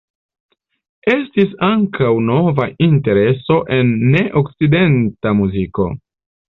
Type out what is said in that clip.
Estis ankaŭ nova intereso en ne-okcidenta muziko.